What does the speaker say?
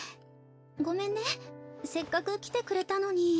ごめんねせっかく来てくれたのに。